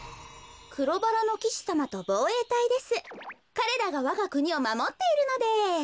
かれらがわがくにをまもっているのです。